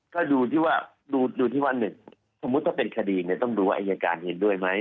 ก็ดูที่ว่าดูที่ว่า๑สมมุติถ้าเป็นคดีเนี่ยต้องดูว่าอายการเห็นด้วยไหม